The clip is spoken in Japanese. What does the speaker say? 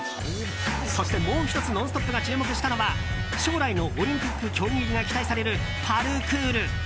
そして、もう１つ「ノンストップ！」が注目したのは将来のオリンピック競技入りが期待される、パルクール。